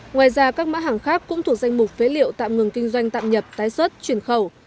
ngoài ra các mã hàng khác cũng thuộc danh mục phế liệu tạm ngừng kinh doanh tạm nhập tái xuất chuyển khẩu